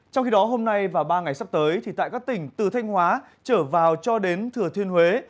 trong khi đó hôm nay và ba ngày sắp tới tại các tỉnh từ thanh hóa trở vào cho đến thừa thiên huế